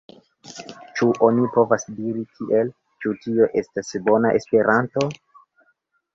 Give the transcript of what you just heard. Ĉu oni povas diri tiel, ĉu tio estas bona Esperanto?